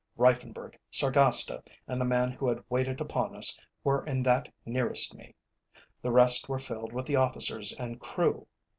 Reiffenburg, Sargasta, and the man who had waited upon us, were in that nearest me; the rest were filled with the officers and crew.